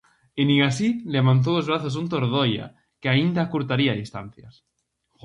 E nin así levantou os brazos un Tordoia que aínda acurtaría distancias.